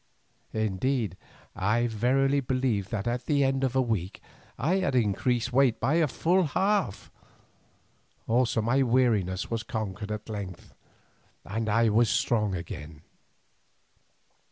Indeed I verily believe that at the end of a week, I had increased in weight by a full half; also my weariness was conquered at length, and I was strong again.